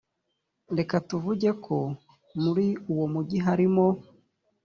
reka tuvuge ko muri uwo mugi harimo